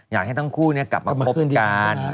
อยากให้ทั้งคู่กลับมาคบกัน